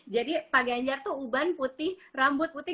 jadi pak ganjar tuh uban putih rambut putih